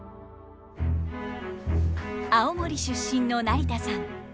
青森出身の成田さん。